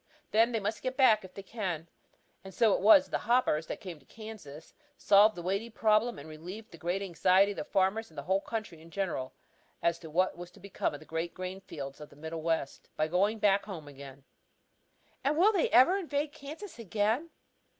Then they must get back if they can. And so it was that the hoppers that came to Kansas solved the weighty problem and relieved the great anxiety of the farmers and the whole country in general as to what was to become of the great grain fields of the Middle West, by going back home again. "And will they ever evade Kansas again?"